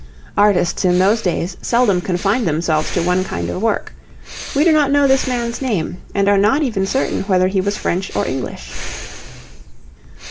Artists in those days seldom confined themselves to one kind of work. We do not know this man's name, and are not even certain whether he was French or English.